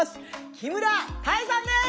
木村多江さんです！